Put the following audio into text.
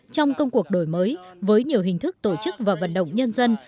trong công cuộc đổi mới với nhiều hình thức tổ chức và vận động nhân dân